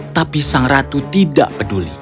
tapi sang ratu tidak peduli